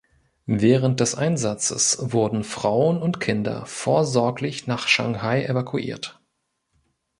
Während des Einsatzes wurden Frauen und Kinder vorsorglich nach Shanghai evakuiert.